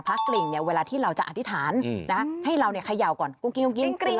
พระกริ่งเวลาที่เราจะอธิษฐานนะให้เราเนี่ยเขย่าก่อนกริ๊ง